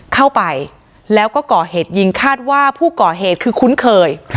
เข้าไปแล้วก็ก่อเหตุยิงคาดว่าผู้ก่อเหตุคือคุ้นเคย